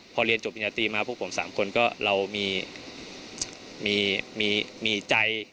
พอเรียนจบปริญญาตรีมาพวกผม๓คนก็เรามีใจ